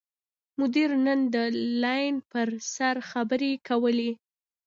مدیر نن د لین پر سر خبرې کولې.